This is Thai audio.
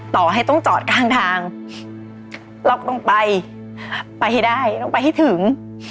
ต่อให้ต้องจอดข้างทางเราต้องไปไปให้ได้ต้องไปให้ถึง